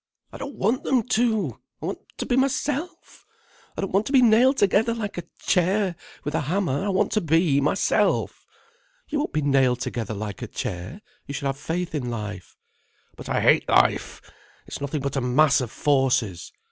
"I don't want them to. I want to be myself. I don't want to be nailed together like a chair, with a hammer. I want to be myself." "You won't be nailed together like a chair. You should have faith in life." "But I hate life. It's nothing but a mass of forces.